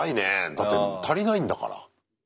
だって足りないんだから。